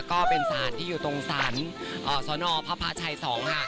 ก็เป็นศาลที่อยู่ตรงศาลสนพระพระชัย๒ค่ะ